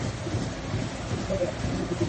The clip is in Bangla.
ছেলেমেয়েদের মধ্যেও সান্ত্বনা নেই।